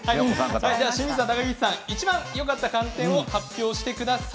清水さん、高岸さんいちばんよかった寒天を発表してください。